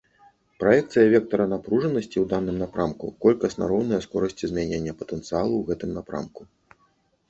Праекцыя вектара напружанасці у даным напрамку колькасна роўная скорасці змянення патэнцыялу ў гэтым напрамку.